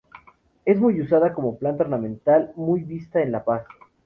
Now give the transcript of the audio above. Es muy usada como planta ornamental, muy vista en La Paz.